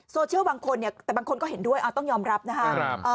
เชื่อบางคนเนี่ยแต่บางคนก็เห็นด้วยต้องยอมรับนะครับ